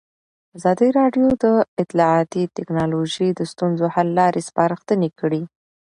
ازادي راډیو د اطلاعاتی تکنالوژي د ستونزو حل لارې سپارښتنې کړي.